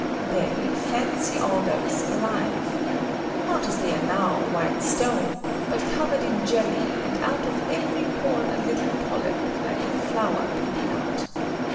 Then fancy all those alive. Not as they are now, white stone: but covered in jelly; and out of every pore a little polype, like a flower, peeping out.